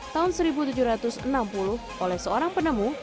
tahun seribu tujuh ratus enam puluh oleh seorang penemu